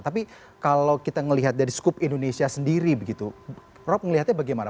tapi kalau kita melihat dari skup indonesia sendiri begitu rob melihatnya bagaimana